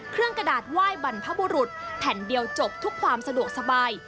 กระดาษไหว้บรรพบุรุษแผ่นเดียวจบทุกความสะดวกสบาย